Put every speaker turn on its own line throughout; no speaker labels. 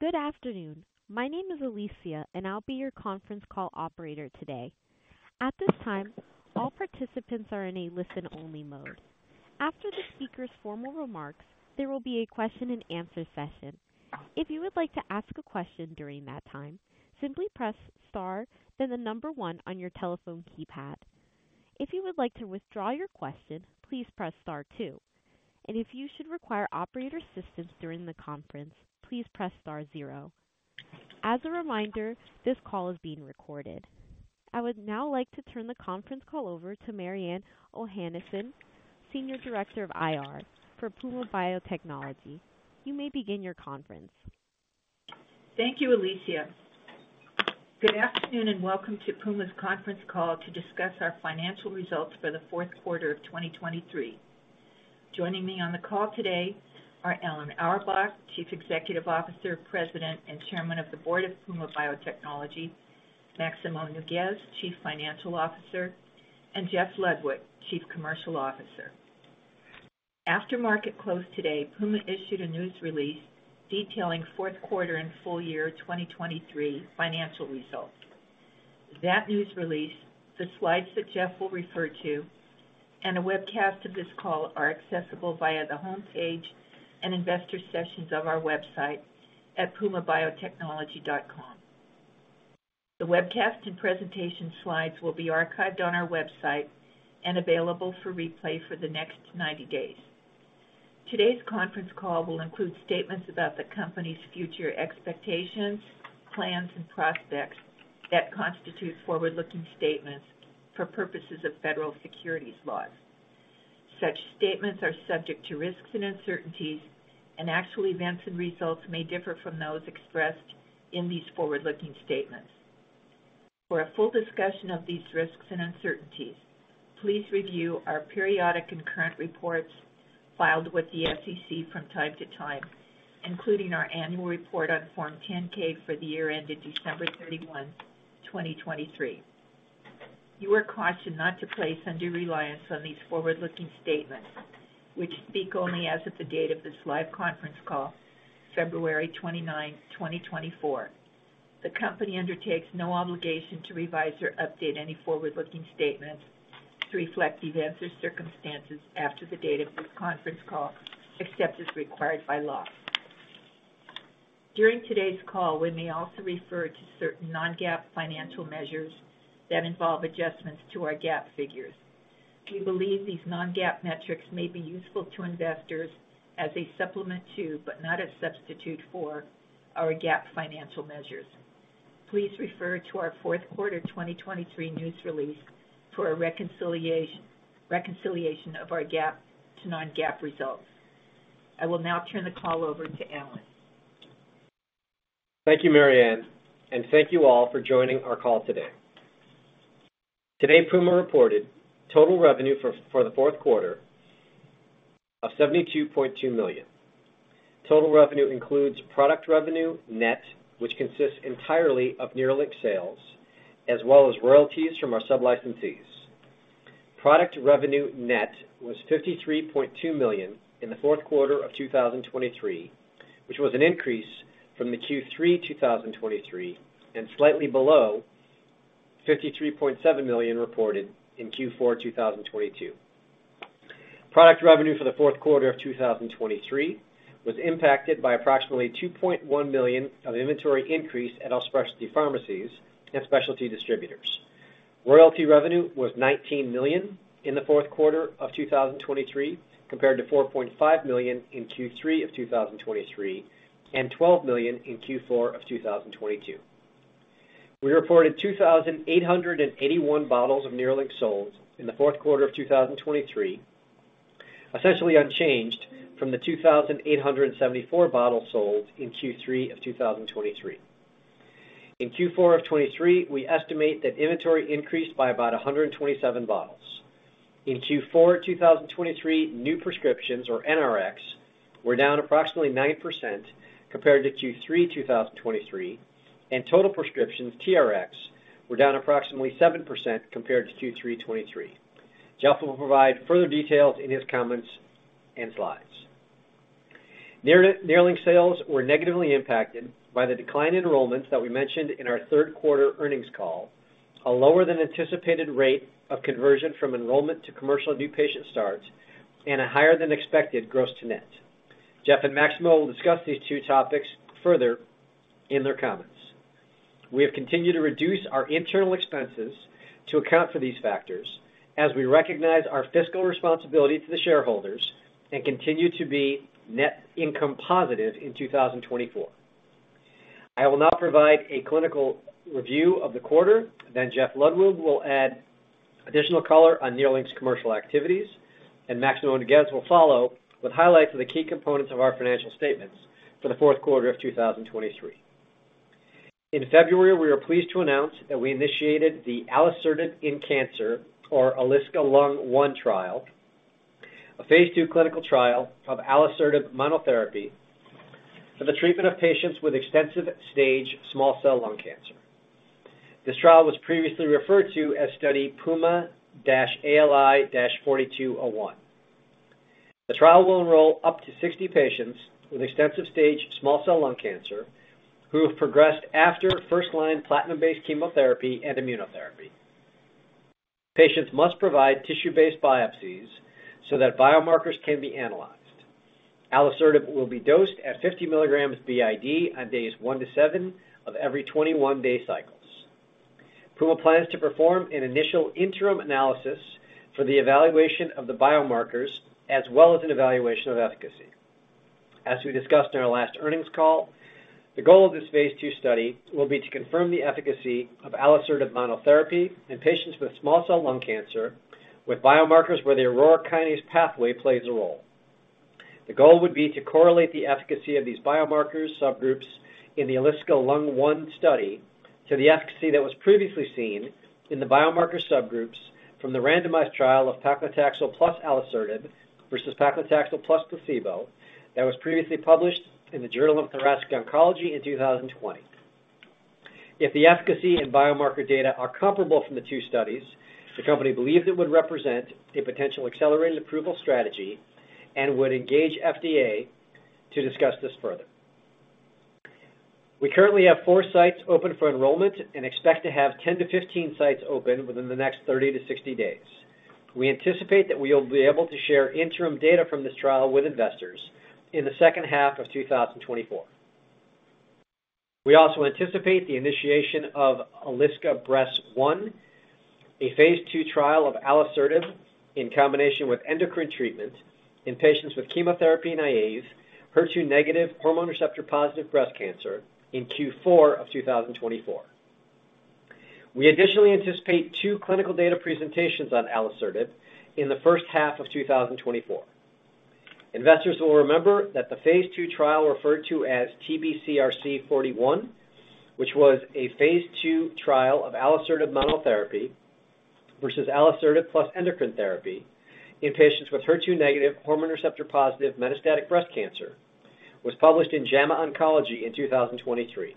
Good afternoon. My name is Alicia, and I'll be your conference call operator today. At this time, all participants are in a listen-only mode. After the speaker's formal remarks, there will be a question-and-answer session. If you would like to ask a question during that time, simply press star then the number one on your telephone keypad. If you would like to withdraw your question, please press star two. And if you should require operator assistance during the conference, please press star zero. As a reminder, this call is being recorded. I would now like to turn the conference call over to Mariann Ohanesian, Senior Director of IR for Puma Biotechnology. You may begin your conference.
Thank you, Alicia. Good afternoon and welcome to Puma's conference call to discuss our financial results for the fourth quarter of 2023. Joining me on the call today are Alan Auerbach, Chief Executive Officer, President, and Chairman of the Board of Puma Biotechnology; Maximo Nougues, Chief Financial Officer; and Jeff Ludwig, Chief Commercial Officer. After market close today, Puma issued a news release detailing fourth quarter and full-year 2023 financial results. That news release, the slides that Jeff will refer to, and a webcast of this call are accessible via the homepage and investor section of our website at pumabiotechnology.com. The webcast and presentation slides will be archived on our website and available for replay for the next 90 days. Today's conference call will include statements about the company's future expectations, plans, and prospects that constitute forward-looking statements for purposes of federal securities laws. Such statements are subject to risks and uncertainties, and actual events and results may differ from those expressed in these forward-looking statements. For a full discussion of these risks and uncertainties, please review our periodic and current reports filed with the SEC from time to time, including our annual report on Form 10-K for the year ended December 31, 2023. You are cautioned not to place undue reliance on these forward-looking statements, which speak only as of the date of this live conference call, February 29, 2024. The company undertakes no obligation to revise or update any forward-looking statements to reflect events or circumstances after the date of this conference call, except as required by law. During today's call, we may also refer to certain non-GAAP financial measures that involve adjustments to our GAAP figures. We believe these non-GAAP metrics may be useful to investors as a supplement to, but not a substitute for, our GAAP financial measures. Please refer to our fourth quarter 2023 news release for a reconciliation of our GAAP to non-GAAP results. I will now turn the call over to Alan.
Thank you, Mariann, and thank you all for joining our call today. Today, Puma reported total revenue for the fourth quarter of $72.2 million. Total revenue includes product revenue net, which consists entirely of Nerlynx sales, as well as royalties from our sublicensees. Product revenue net was $53.2 million in the fourth quarter of 2023, which was an increase from the Q3 2023 and slightly below $53.7 million reported in Q4 2022. Product revenue for the fourth quarter of 2023 was impacted by approximately $2.1 million of inventory increase at all specialty pharmacies and specialty distributors. Royalty revenue was $19 million in the fourth quarter of 2023 compared to $4.5 million in Q3 of 2023 and $12 million in Q4 of 2022. We reported 2,881 bottles of Nerlynx sold in the fourth quarter of 2023, essentially unchanged from the 2,874 bottles sold in Q3 of 2023. In Q4 of 2023, we estimate that inventory increased by about 127 bottles. In Q4 2023, new prescriptions, or NRX, were down approximately 9% compared to Q3 2023, and total prescriptions, TRX, were down approximately 7% compared to Q3 2023. Jeff will provide further details in his comments and slides. Nerlynx sales were negatively impacted by the decline in enrollments that we mentioned in our third quarter earnings call, a lower than anticipated rate of conversion from enrollment to commercial new patient starts, and a higher than expected gross-to-net. Jeff and Maximo will discuss these two topics further in their comments. We have continued to reduce our internal expenses to account for these factors as we recognize our fiscal responsibility to the shareholders and continue to be net income positive in 2024. I will now provide a clinical review of the quarter. Then Jeff Ludwig will add additional color on Nerlynx's commercial activities, and Maximo Nougues will follow with highlights of the key components of our financial statements for the fourth quarter of 2023. In February, we are pleased to announce that we initiated the alisertib in cancer, or ALISCA-Lung 1 trial, a phase II clinical trial of alisertib monotherapy for the treatment of patients with extensive stage small cell lung cancer. This trial was previously referred to as study PUMA-ALI-4201. The trial will enroll up to 60 patients with extensive stage small cell lung cancer who have progressed after first-line platinum-based chemotherapy and immunotherapy. Patients must provide tissue-based biopsies so that biomarkers can be analyzed. Alisertib will be dosed at 50 mg b.i.d. on days one to 7 of every 21-day cycles. Puma plans to perform an initial interim analysis for the evaluation of the biomarkers as well as an evaluation of efficacy. As we discussed in our last earnings call, the goal of this phase II study will be to confirm the efficacy of alisertib monotherapy in patients with small cell lung cancer with biomarkers where the Aurora kinase pathway plays a role. The goal would be to correlate the efficacy of these biomarkers subgroups in the alisertib Lung 1 study to the efficacy that was previously seen in the biomarkers subgroups from the randomized trial of paclitaxel plus alisertib versus paclitaxel plus placebo that was previously published in the Journal of Thoracic Oncology in 2020. If the efficacy and biomarker data are comparable from the two studies, the company believes it would represent a potential accelerated approval strategy and would engage FDA to discuss this further. We currently have four sites open for enrollment and expect to have 10-15 sites open within the next 30-60 days. We anticipate that we will be able to share interim data from this trial with investors in the second half of 2024. We also anticipate the initiation of ALISCA-Breast 1, a phase II trial of alisertib in combination with endocrine treatment in patients with chemotherapy-naïve HR+, HER2-negative, hormone receptor-positive breast cancer in Q4 of 2024. We additionally anticipate two clinical data presentations on alisertib in the first half of 2024. Investors will remember that the phase II trial referred to as TBCRC 041, which was a phase II trial of alisertib monotherapy versus alisertib plus endocrine therapy in patients with HER2-negative, hormone receptor-positive metastatic breast cancer, was published in JAMA Oncology in 2023.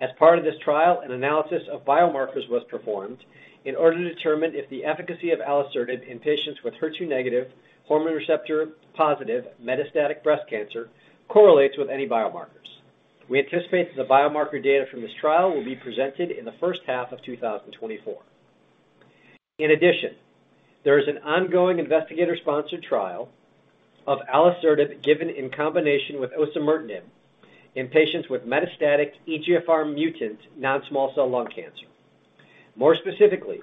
As part of this trial, an analysis of biomarkers was performed in order to determine if the efficacy of alisertib in patients with HER2-negative, hormone receptor-positive metastatic breast cancer correlates with any biomarkers. We anticipate that the biomarker data from this trial will be presented in the first half of 2024. In addition, there is an ongoing investigator-sponsored trial of alisertib given in combination with osimertinib in patients with metastatic EGFR mutant non-small cell lung cancer. More specifically,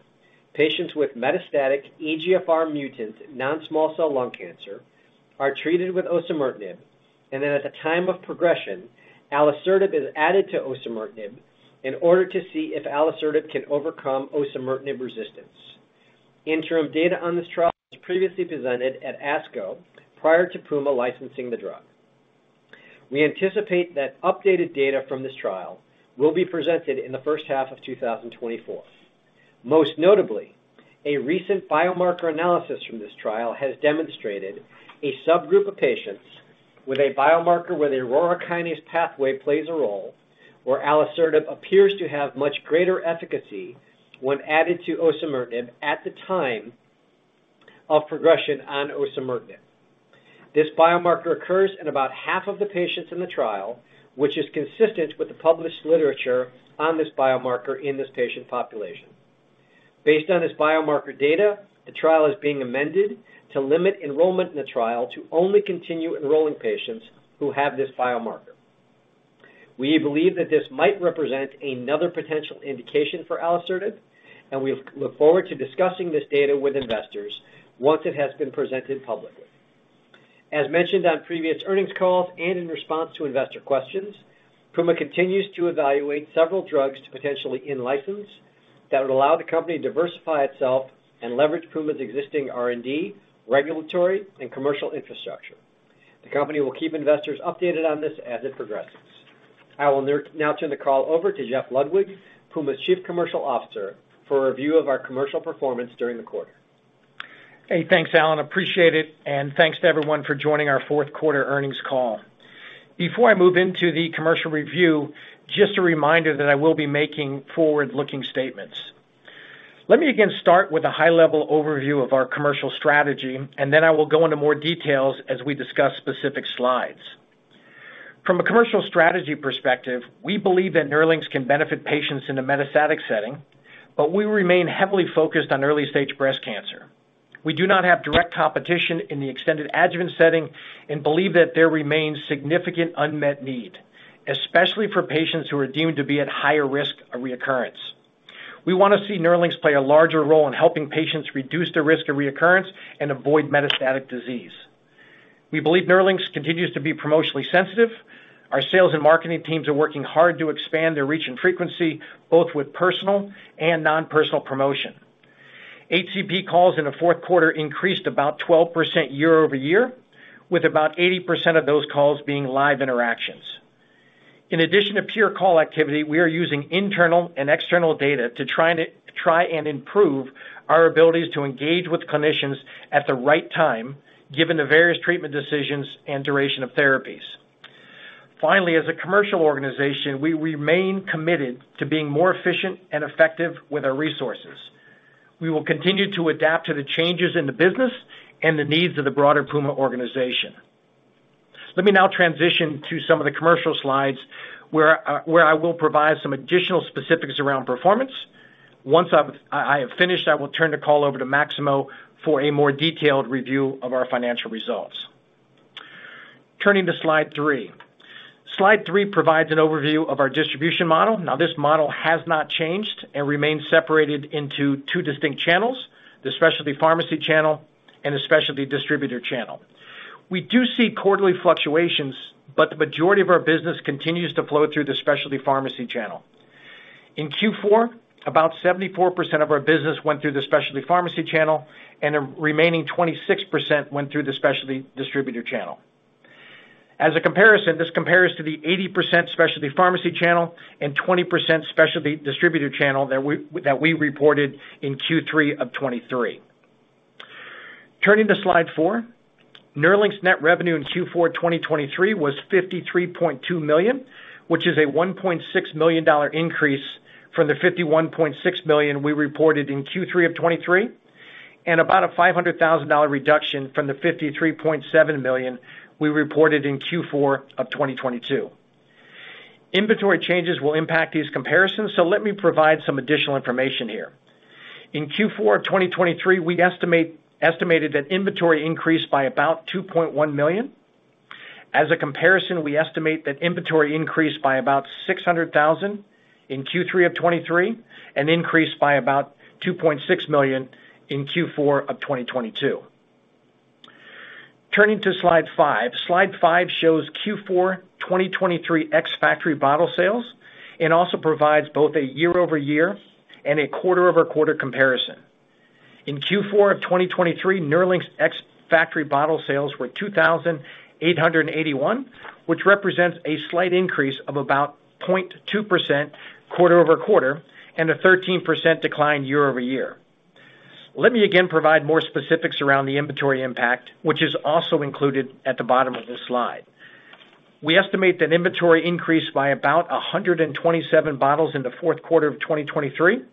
patients with metastatic EGFR mutant non-small cell lung cancer are treated with osimertinib, and then at the time of progression, alisertib is added to osimertinib in order to see if alisertib can overcome osimertinib resistance. Interim data on this trial was previously presented at ASCO prior to Puma licensing the drug. We anticipate that updated data from this trial will be presented in the first half of 2024. Most notably, a recent biomarker analysis from this trial has demonstrated a subgroup of patients with a biomarker where the Aurora kinase pathway plays a role, where alisertib appears to have much greater efficacy when added to osimertinib at the time of progression on osimertinib. This biomarker occurs in about half of the patients in the trial, which is consistent with the published literature on this biomarker in this patient population. Based on this biomarker data, the trial is being amended to limit enrollment in the trial to only continue enrolling patients who have this biomarker. We believe that this might represent another potential indication for alisertib, and we look forward to discussing this data with investors once it has been presented publicly. As mentioned on previous earnings calls and in response to investor questions, Puma continues to evaluate several drugs to potentially in-license that would allow the company to diversify itself and leverage Puma's existing R&D, regulatory, and commercial infrastructure. The company will keep investors updated on this as it progresses. I will now turn the call over to Jeff Ludwig, Puma's Chief Commercial Officer, for a review of our commercial performance during the quarter.
Hey, thanks, Alan. Appreciate it. Thanks to everyone for joining our fourth quarter earnings call. Before I move into the commercial review, just a reminder that I will be making forward-looking statements. Let me again start with a high-level overview of our commercial strategy, and then I will go into more details as we discuss specific slides. From a commercial strategy perspective, we believe that Nerlynx can benefit patients in a metastatic setting, but we remain heavily focused on early stage breast cancer. We do not have direct competition in the extended adjuvant setting and believe that there remains significant unmet need, especially for patients who are deemed to be at higher risk of reoccurrence. We want to see Nerlynx play a larger role in helping patients reduce the risk of reoccurrence and avoid metastatic disease. We believe Nerlynx continues to be promotionally sensitive. Our sales and marketing teams are working hard to expand their reach and frequency, both with personal and non-personal promotion. HCP calls in the fourth quarter increased about 12% year-over-year, with about 80% of those calls being live interactions. In addition to peer call activity, we are using internal and external data to try and improve our abilities to engage with clinicians at the right time given the various treatment decisions and duration of therapies. Finally, as a commercial organization, we remain committed to being more efficient and effective with our resources. We will continue to adapt to the changes in the business and the needs of the broader Puma organization. Let me now transition to some of the commercial slides where I will provide some additional specifics around performance. Once I have finished, I will turn the call over to Maximo for a more detailed review of our financial results. Turning to slide three. Slide three provides an overview of our distribution model. Now, this model has not changed and remains separated into two distinct channels, the specialty pharmacy channel and the specialty distributor channel. We do see quarterly fluctuations, but the majority of our business continues to flow through the specialty pharmacy channel. In Q4, about 74% of our business went through the specialty pharmacy channel, and the remaining 26% went through the specialty distributor channel. As a comparison, this compares to the 80% specialty pharmacy channel and 20% specialty distributor channel that we reported in Q3 of 2023. Turning to slide four. Nerlynx's net revenue in Q4 2023 was $53.2 million, which is a $1.6 million increase from the $51.6 million we reported in Q3 of 2023 and about a $500,000 reduction from the $53.7 million we reported in Q4 of 2022. Inventory changes will impact these comparisons, so let me provide some additional information here. In Q4 of 2023, we estimated that inventory increased by about $2.1 million. As a comparison, we estimate that inventory increased by about $600,000 in Q3 of 2023 and increased by about $2.6 million in Q4 of 2022. Turning to slide five. Slide five shows Q4 2023 ex-factory bottle sales and also provides both a year-over-year and a quarter-over-quarter comparison. In Q4 of 2023, Nerlynx's ex-factory bottle sales were 2,881, which represents a slight increase of about 0.2% quarter-over-quarter and a 13% decline year-over-year. Let me again provide more specifics around the inventory impact, which is also included at the bottom of this slide. We estimate that inventory increased by about 127 bottles in the fourth quarter of 2023.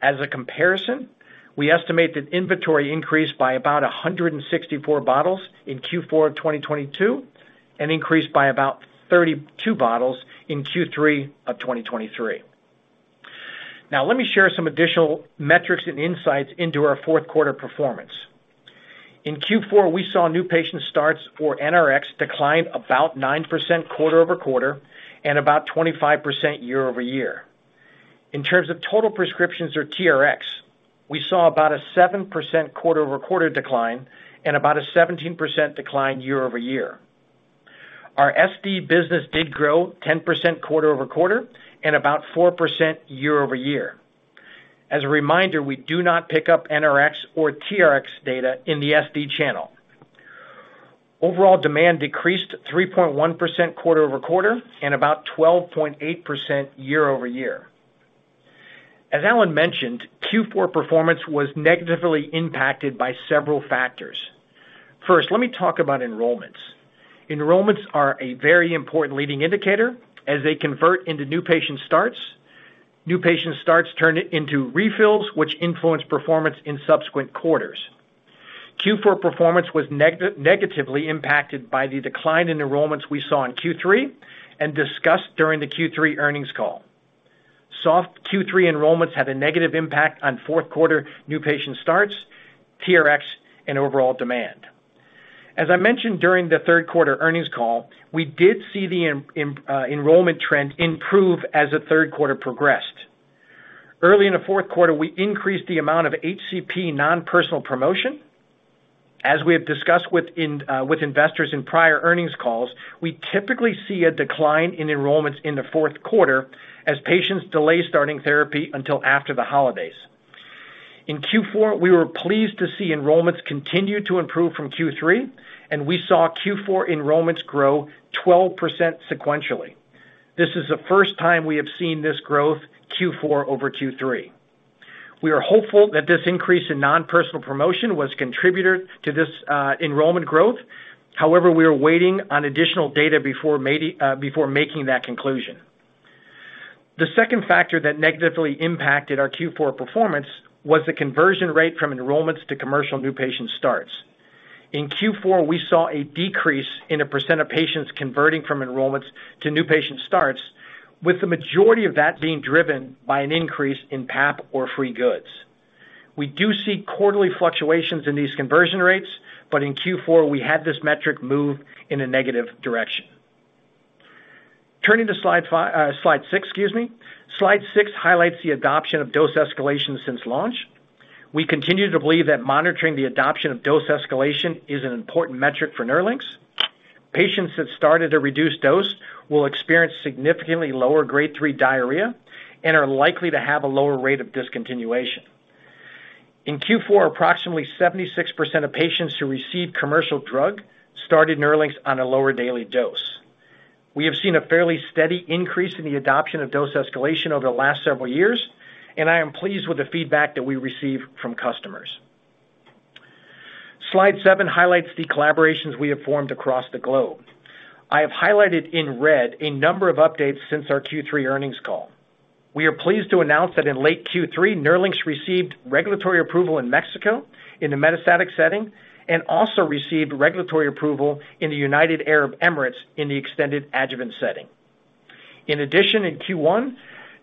As a comparison, we estimate that inventory increased by about 164 bottles in Q4 of 2022 and increased by about 32 bottles in Q3 of 2023. Now, let me share some additional metrics and insights into our fourth quarter performance. In Q4, we saw new patient starts, or NRX, decline about 9% quarter-over-quarter and about 25% year-over-year. In terms of total prescriptions, or TRX, we saw about a 7% quarter-over-quarter decline and about a 17% decline year-over-year. Our SD business did grow 10% quarter-over-quarter and about 4% year-over-year. As a reminder, we do not pick up NRX or TRX data in the SD channel. Overall demand decreased 3.1% quarter-over-quarter and about 12.8% year-over-year. As Alan mentioned, Q4 performance was negatively impacted by several factors. First, let me talk about enrollments. Enrollments are a very important leading indicator as they convert into new patient starts. New patient starts turn into refills, which influence performance in subsequent quarters. Q4 performance was negatively impacted by the decline in enrollments we saw in Q3 and discussed during the Q3 earnings call. Q3 enrollments had a negative impact on fourth quarter new patient starts, TRX, and overall demand. As I mentioned during the third quarter earnings call, we did see the enrollment trend improve as the third quarter progressed. Early in the fourth quarter, we increased the amount of HCP non-personal promotion. As we have discussed with investors in prior earnings calls, we typically see a decline in enrollments in the fourth quarter as patients delay starting therapy until after the holidays. In Q4, we were pleased to see enrollments continue to improve from Q3, and we saw Q4 enrollments grow 12% sequentially. This is the first time we have seen this growth Q4 over Q3. We are hopeful that this increase in non-personal promotion was contributed to this enrollment growth. However, we are waiting on additional data before making that conclusion. The second factor that negatively impacted our Q4 performance was the conversion rate from enrollments to commercial new patient starts. In Q4, we saw a decrease in the percent of patients converting from enrollments to new patient starts, with the majority of that being driven by an increase in PAP or free goods. We do see quarterly fluctuations in these conversion rates, but in Q4, we had this metric move in a negative direction. Turning to slide six, excuse me. Slide six highlights the adoption of dose escalation since launch. We continue to believe that monitoring the adoption of dose escalation is an important metric for Nerlynx. Patients that started a reduced dose will experience significantly lower grade three diarrhea and are likely to have a lower rate of discontinuation. In Q4, approximately 76% of patients who received commercial drug started Nerlynx on a lower daily dose. We have seen a fairly steady increase in the adoption of dose escalation over the last several years, and I am pleased with the feedback that we receive from customers. Slide seven highlights the collaborations we have formed across the globe. I have highlighted in red a number of updates since our Q3 earnings call. We are pleased to announce that in late Q3, Nerlynx received regulatory approval in Mexico in the metastatic setting and also received regulatory approval in the United Arab Emirates in the extended adjuvant setting. In addition, in Q1,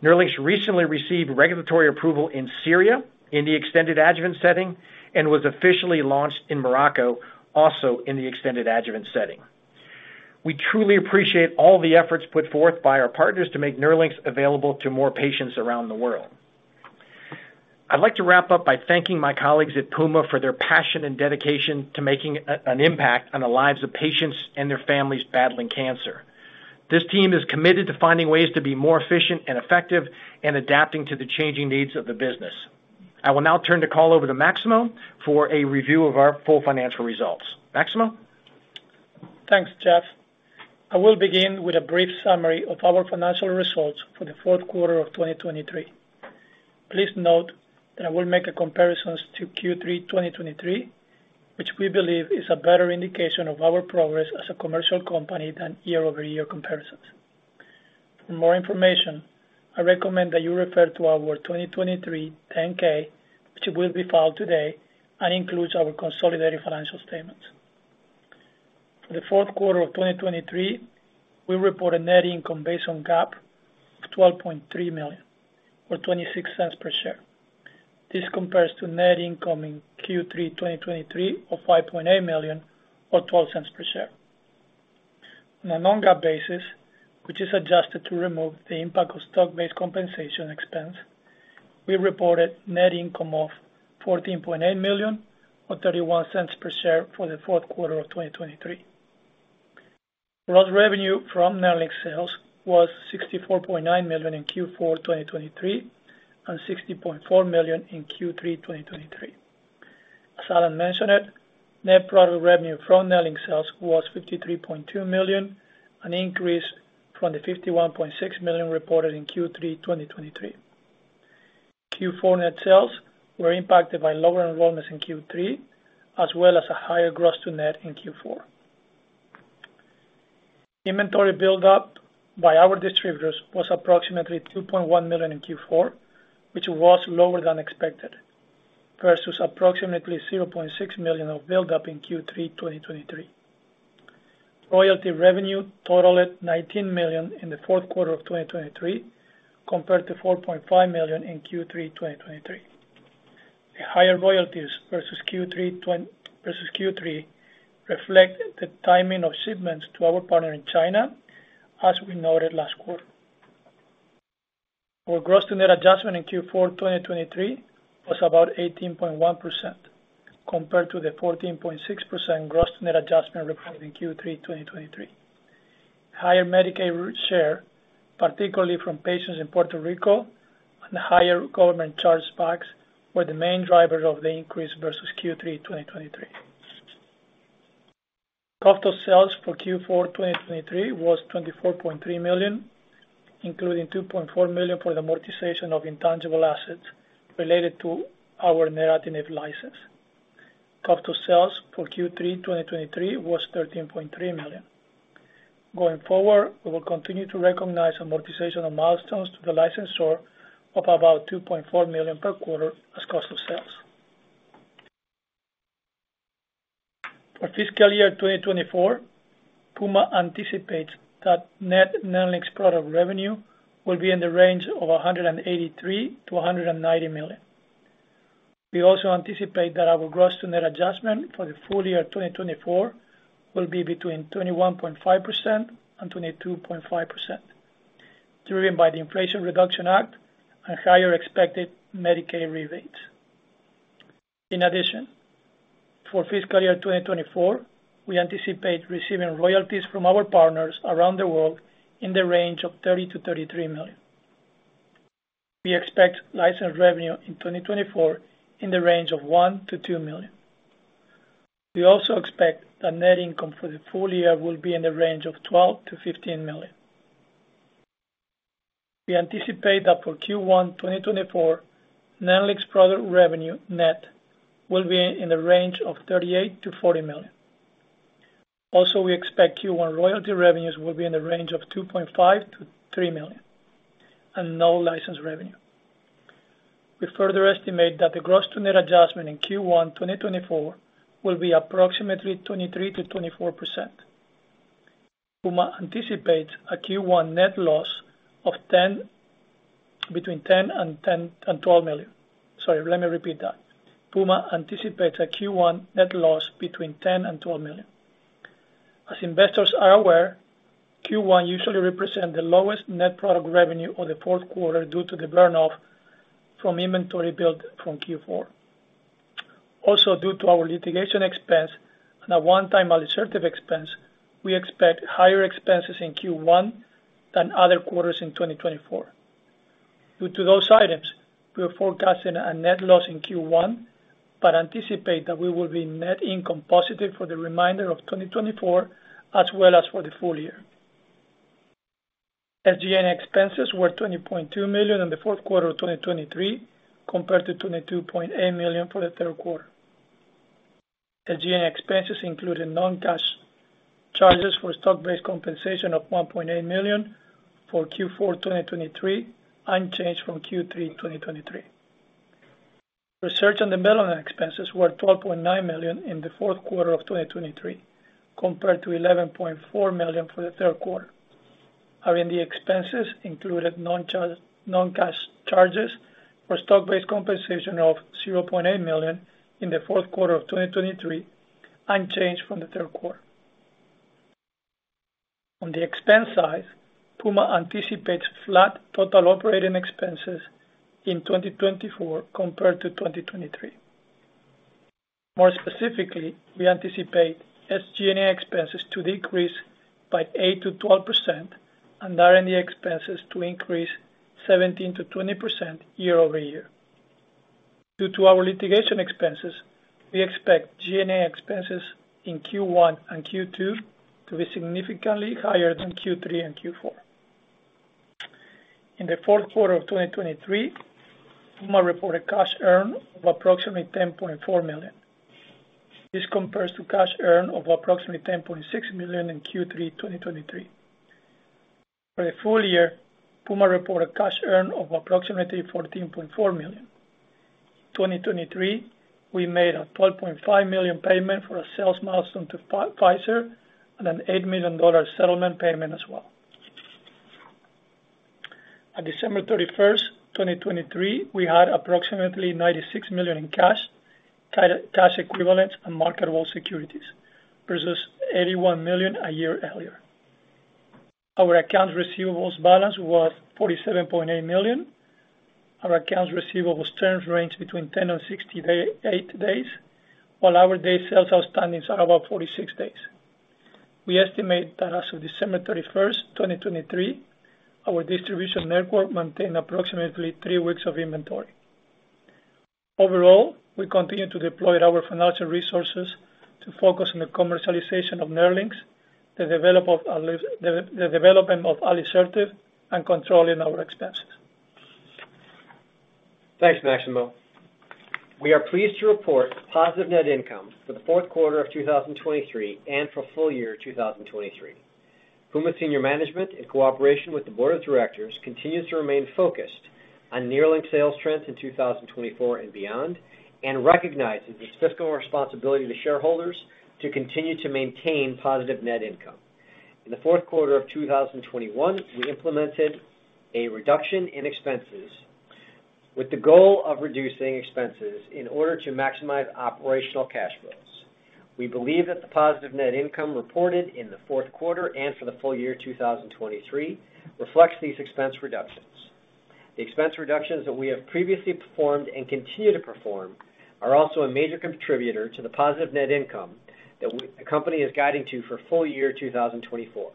Nerlynx recently received regulatory approval in Syria in the extended adjuvant setting and was officially launched in Morocco, also in the extended adjuvant setting. We truly appreciate all the efforts put forth by our partners to make Nerlynx available to more patients around the world. I'd like to wrap up by thanking my colleagues at Puma for their passion and dedication to making an impact on the lives of patients and their families battling cancer. This team is committed to finding ways to be more efficient and effective and adapting to the changing needs of the business. I will now turn the call over to Maximo for a review of our full financial results. Maximo?
Thanks, Jeff. I will begin with a brief summary of our financial results for the fourth quarter of 2023. Please note that I will make a comparison to Q3 2023, which we believe is a better indication of our progress as a commercial company than year-over-year comparisons. For more information, I recommend that you refer to our 2023 10-K, which will be filed today and includes our consolidated financial statements. For the fourth quarter of 2023, we report a net income based on GAAP of $12.3 million or $0.26 per share. This compares to net income in Q3 2023 of $5.8 million or $0.12 per share. On a non-GAAP basis, which is adjusted to remove the impact of stock-based compensation expense, we reported net income of $14.8 million or $0.31 per share for the fourth quarter of 2023. Gross revenue from Nerlynx sales was $64.9 million in Q4 2023 and $60.4 million in Q3 2023. As Alan mentioned, net product revenue from Nerlynx sales was $53.2 million, an increase from the $51.6 million reported in Q3 2023. Q4 net sales were impacted by lower enrollments in Q3 as well as a higher gross-to-net in Q4. Inventory buildup by our distributors was approximately $2.1 million in Q4, which was lower than expected versus approximately $0.6 million of buildup in Q3 2023. Royalty revenue totaled $19 million in the fourth quarter of 2023 compared to $4.5 million in Q3 2023. The higher royalties versus Q3 reflect the timing of shipments to our partner in China, as we noted last quarter. Our gross-to-net adjustment in Q4 2023 was about 18.1% compared to the 14.6% gross-to-net adjustment reported in Q3 2023. Higher Medicaid share, particularly from patients in Puerto Rico and higher government chargebacks, were the main drivers of the increase versus Q3 2023. Cost of sales for Q4 2023 was $24.3 million, including $2.4 million for the amortization of intangible assets related to our neratinib license. Cost of sales for Q3 2023 was $13.3 million. Going forward, we will continue to recognize amortization of milestones to the licensor of about $2.4 million per quarter as cost of sales. For fiscal year 2024, Puma anticipates that net Nerlynx's product revenue will be in the range of $183 million-$190 million. We also anticipate that our gross-to-net adjustment for the full-year 2024 will be between 21.5%-22.5%, driven by the Inflation Reduction Act and higher expected Medicaid rebates. In addition, for fiscal year 2024, we anticipate receiving royalties from our partners around the world in the range of $30 million-$33 million. We expect license revenue in 2024 in the range of $1 million-$2 million. We also expect that net income for the full-year will be in the range of $12 million-$15 million. We anticipate that for Q1 2024, Nerlynx product revenue net will be in the range of $38 million-$40 million. Also, we expect Q1 royalty revenues will be in the range of $2.5 million-$3 million and no license revenue. We further estimate that the gross-to-net adjustment in Q1 2024 will be approximately 23%-24%. Puma anticipates a Q1 net loss of between $10 million and $12 million. Sorry, let me repeat that. Puma anticipates a Q1 net loss between $10 million and $12 million. As investors are aware, Q1 usually represents the lowest net product revenue of the fourth quarter due to the burn-off from inventory built from Q4. Also, due to our litigation expense and a one-time alisertib expense, we expect higher expenses in Q1 than other quarters in 2024. Due to those items, we are forecasting a net loss in Q1 but anticipate that we will be net income positive for the remainder of 2024 as well as for the full-year. SG&A expenses were $20.2 million in the fourth quarter of 2023 compared to $22.8 million for the third quarter. SG&A expenses included non-cash charges for stock-based compensation of $1.8 million for Q4 2023, unchanged from Q3 2023. Research and development expenses were $12.9 million in the fourth quarter of 2023 compared to $11.4 million for the third quarter. R&D expenses included non-cash charges for stock-based compensation of $0.8 million in the fourth quarter of 2023, unchanged from the third quarter. On the expense side, Puma anticipates flat total operating expenses in 2024 compared to 2023. More specifically, we anticipate SG&A expenses to decrease by 8%-12% and R&D expenses to increase 17%-20% year-over-year. Due to our litigation expenses, we expect G&A expenses in Q1 and Q2 to be significantly higher than Q3 and Q4. In the fourth quarter of 2023, Puma reported cash earned of approximately $10.4 million. This compares to cash earned of approximately $10.6 million in Q3 2023. For the full-year, Puma reported cash earned of approximately $14.4 million. In 2023, we made a $12.5 million payment for a sales milestone to Pfizer and an $8 million settlement payment as well. On December 31st, 2023, we had approximately $96 million in cash, cash equivalents, and marketable securities versus $81 million a year earlier. Our accounts receivable balance was $47.8 million. Our accounts receivable terms ranged between 10-68 days, while our days sales outstanding are about 46 days. We estimate that as of December 31st, 2023, our distribution network maintained approximately three weeks of inventory. Overall, we continue to deploy our financial resources to focus on the commercialization of Nerlynx, the development of alisertib, and controlling our expenses.
Thanks, Maximo. We are pleased to report positive net income for the fourth quarter of 2023 and for full-year 2023. Puma Senior Management, in cooperation with the Board of Directors, continues to remain focused on Nerlynx's sales trends in 2024 and beyond and recognizes its fiscal responsibility to shareholders to continue to maintain positive net income. In the fourth quarter of 2021, we implemented a reduction in expenses with the goal of reducing expenses in order to maximize operational cash flows. We believe that the positive net income reported in the fourth quarter and for the full-year 2023 reflects these expense reductions. The expense reductions that we have previously performed and continue to perform are also a major contributor to the positive net income that the company is guiding to for full-year 2024.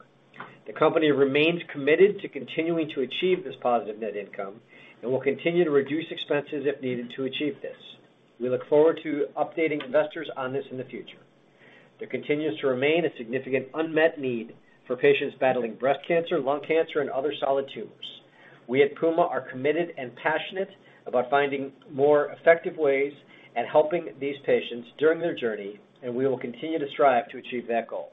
The company remains committed to continuing to achieve this positive net income and will continue to reduce expenses if needed to achieve this. We look forward to updating investors on this in the future. There continues to remain a significant unmet need for patients battling breast cancer, lung cancer, and other solid tumors. We at Puma are committed and passionate about finding more effective ways at helping these patients during their journey, and we will continue to strive to achieve that goal.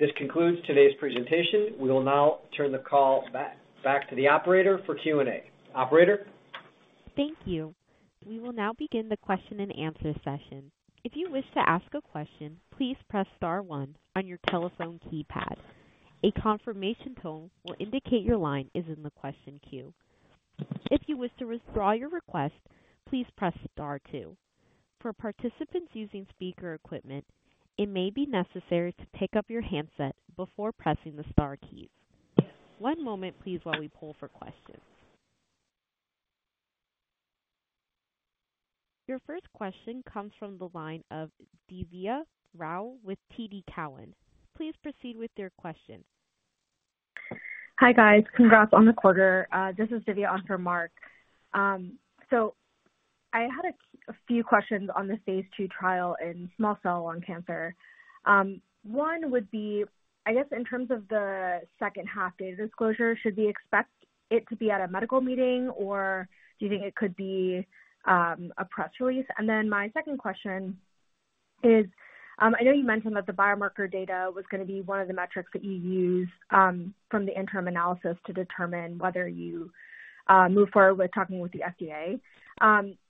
This concludes today's presentation. We will now turn the call back to the operator for Q&A. Operator?
Thank you. We will now begin the question-and-answer session. If you wish to ask a question, please press star one on your telephone keypad. A confirmation tone will indicate your line is in the question queue. If you wish to withdraw your request, please press star two. For participants using speaker equipment, it may be necessary to pick up your handset before pressing the star keys. One moment, please, while we pull for questions. Your first question comes from the line of Divya Rao with TD Cowen. Please proceed with your question.
Hi, guys. Congrats on the quarter. This is Divya on for Marc. So I had a few questions on the phase II trial in small cell lung cancer. One would be, I guess, in terms of the second-half data disclosure, should we expect it to be at a medical meeting, or do you think it could be a press release? And then my second question is, I know you mentioned that the biomarker data was going to be one of the metrics that you use from the interim analysis to determine whether you move forward with talking with the FDA.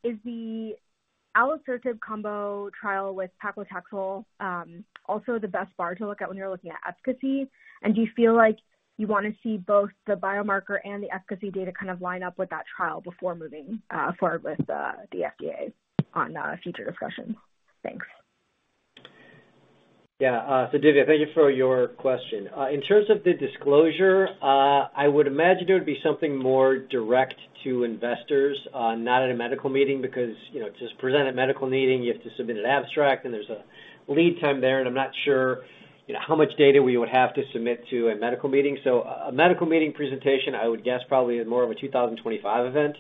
Is the alisertib combo trial with paclitaxel also the best bar to look at when you're looking at efficacy? Do you feel like you want to see both the biomarker and the efficacy data kind of line up with that trial before moving forward with the FDA on future discussions? Thanks.
Yeah. So Divya, thank you for your question. In terms of the disclosure, I would imagine it would be something more direct to investors, not at a medical meeting because to present at a medical meeting, you have to submit an abstract, and there's a lead time there. I'm not sure how much data we would have to submit to a medical meeting. So a medical meeting presentation, I would guess, probably is more of a 2025 event.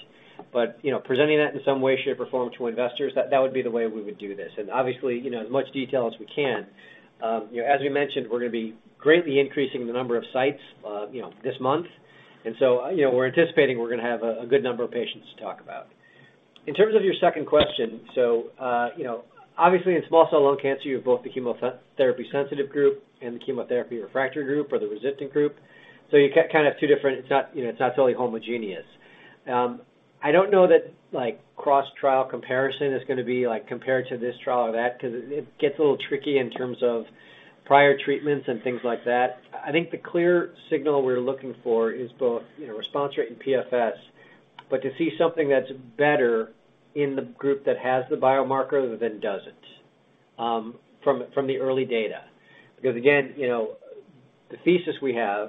But presenting that in some way, shape, or form to investors, that would be the way we would do this. And obviously, as much detail as we can. As we mentioned, we're going to be greatly increasing the number of sites this month. And so we're anticipating we're going to have a good number of patients to talk about. In terms of your second question, so obviously, in small cell lung cancer, you have both the chemotherapy-sensitive group and the chemotherapy refractory group or the resistant group. So you kind of have two different it's not totally homogeneous. I don't know that cross-trial comparison is going to be compared to this trial or that because it gets a little tricky in terms of prior treatments and things like that. I think the clear signal we're looking for is both response rate and PFS, but to see something that's better in the group that has the biomarker than doesn't from the early data. Because again, the thesis we have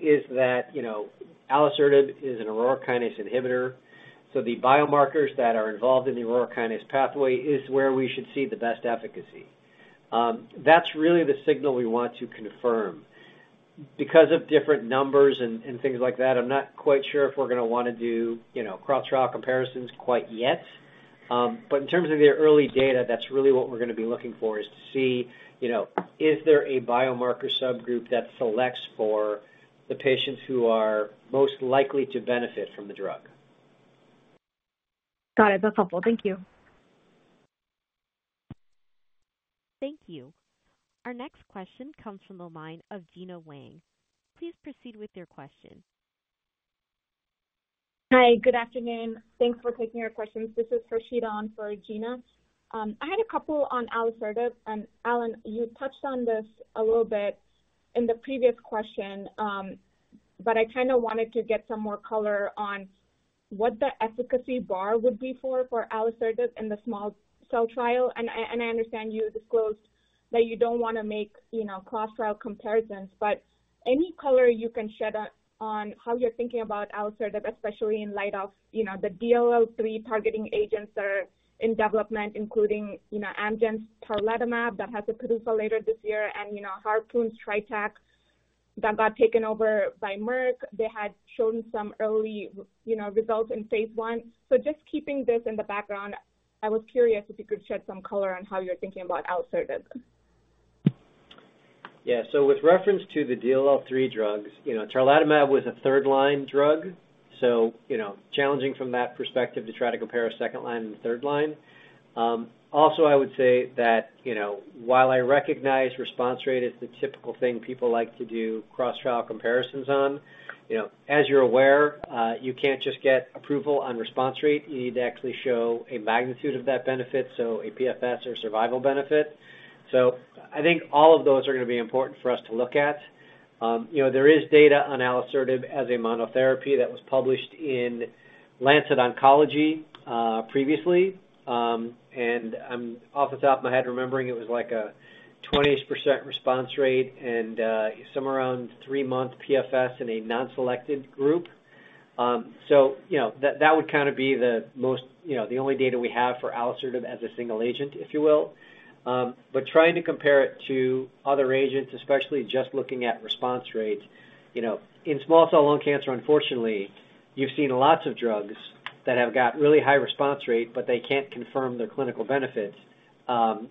is that alisertib is an aurora kinase inhibitor. So the biomarkers that are involved in the aurora kinase pathway is where we should see the best efficacy. That's really the signal we want to confirm. Because of different numbers and things like that, I'm not quite sure if we're going to want to do cross-trial comparisons quite yet. But in terms of the early data, that's really what we're going to be looking for, is to see, is there a biomarker subgroup that selects for the patients who are most likely to benefit from the drug?
Got it. That's helpful. Thank you.
Thank you. Our next question comes from the line of Gina Wang. Please proceed with your question.
Hi. Good afternoon. Thanks for taking our questions. This is Harshita on for Gina. I had a couple on alisertib. And Alan, you touched on this a little bit in the previous question, but I kind of wanted to get some more color on what the efficacy bar would be for alisertib in the small cell trial. And I understand you disclosed that you don't want to make cross-trial comparisons, but any color you can shed on how you're thinking about alisertib, especially in light of the DLL3 targeting agents that are in development, including Amgen's tarlatamab that has a readout later this year and Harpoon's TriTAC that got taken over by Merck. They had shown some early results in phase I. So just keeping this in the background, I was curious if you could shed some color on how you're thinking about alisertib.
Yeah. So with reference to the DLL3 drugs, tarlatamab was a third-line drug, so challenging from that perspective to try to compare a second line and third line. Also, I would say that while I recognize response rate is the typical thing people like to do cross-trial comparisons on, as you're aware, you can't just get approval on response rate. You need to actually show a magnitude of that benefit, so a PFS or survival benefit. So I think all of those are going to be important for us to look at. There is data on alisertib as a monotherapy that was published in Lancet Oncology previously. And I'm off the top of my head remembering it was like a 20% response rate and somewhere around three-month PFS in a non-selected group. So that would kind of be the only data we have for alisertib as a single agent, if you will. But trying to compare it to other agents, especially just looking at response rates, in small cell lung cancer, unfortunately, you've seen lots of drugs that have got really high response rate, but they can't confirm their clinical benefits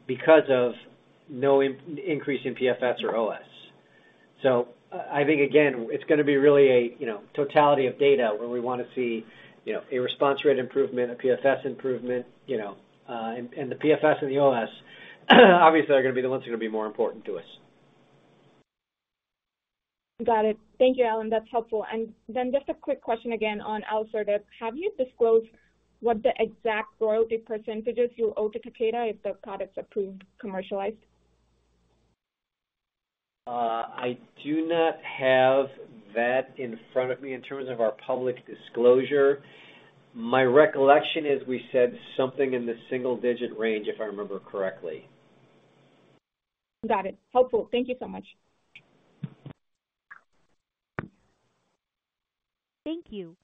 because of no increase in PFS or OS. So I think, again, it's going to be really a totality of data where we want to see a response rate improvement, a PFS improvement. And the PFS and the OS, obviously, are going to be the ones that are going to be more important to us.
Got it. Thank you, Alan. That's helpful. And then just a quick question again on alisertib. Have you disclosed what the exact royalty percentages you owe to Takeda if the product's approved, commercialized?
I do not have that in front of me in terms of our public disclosure. My recollection is we said something in the single-digit range, if I remember correctly.
Got it. Helpful. Thank you so much.
Thank you.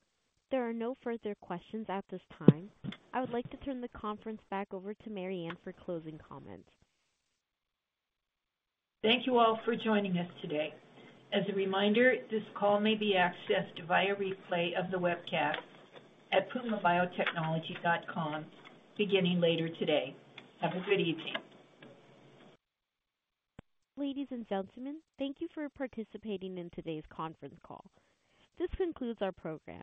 There are no further questions at this time. I would like to turn the conference back over to Mariann for closing comments.
Thank you all for joining us today. As a reminder, this call may be accessed via replay of the webcast at pumabiotechnology.com beginning later today. Have a good evening.
Ladies and gentlemen, thank you for participating in today's conference call. This concludes our program.